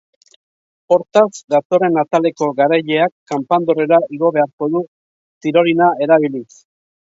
Hortaz, datorren ataleko garaileak kanpandorrera igo beharko du tirolina erabiliz.